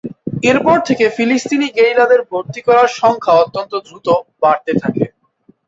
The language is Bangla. এরপর থেকে ফিলিস্তিনি গেরিলাদের ভর্তি করার সংখ্যা অত্যন্ত দ্রুত বাড়তে থাকে।